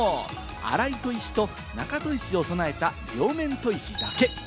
荒い砥石と中砥石を備えた両面砥石だけ。